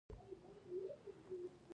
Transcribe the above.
دعرفان اودسواد په اوږو تلمه